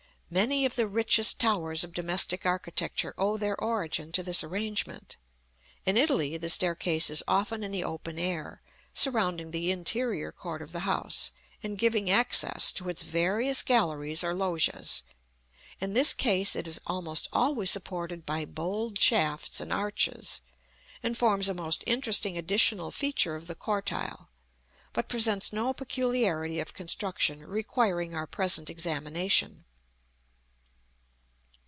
Many of the richest towers of domestic architecture owe their origin to this arrangement. In Italy the staircase is often in the open air, surrounding the interior court of the house, and giving access to its various galleries or loggias: in this case it is almost always supported by bold shafts and arches, and forms a most interesting additional feature of the cortile, but presents no peculiarity of construction requiring our present examination.